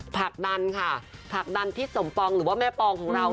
ผลักดันค่ะผลักดันทิศสมปองหรือว่าแม่ปองของเรา